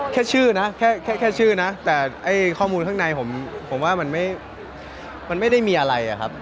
แค่ชื่อนะแค่ชื่อนะแต่ข้อมูลข้างในผมว่ามันไม่ได้มีอะไรอะครับ